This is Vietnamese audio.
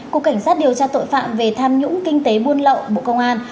cục cảnh sát điều tra tội phạm về tham nhũng kinh tế buôn lậu bộ công an